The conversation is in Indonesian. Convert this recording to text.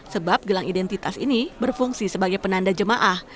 sebab gelang identitas ini berfungsi sebagai penanda jemaah